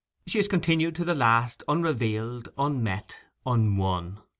She has continued to the last unrevealed, unmet, unwon.